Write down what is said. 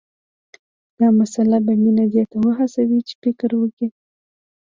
دا مسله به مينه دې ته وهڅوي چې فکر وکړي